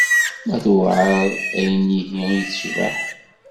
Ma tuɛer ayen ihi i tecbeḥ?